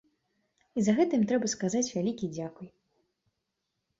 І за гэта ім трэба сказаць вялікі дзякуй.